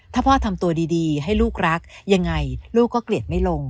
ถ้าพ่อทำตัวดีให้ลูกรักยังไงลูกก็เกลียดไม่ลง